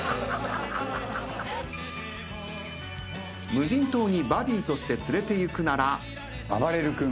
無人島にバディとして連れていくなら？